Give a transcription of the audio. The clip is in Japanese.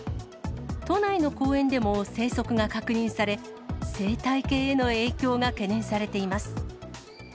都内の公園でも生息が確認され、生態系への影響が懸念されています。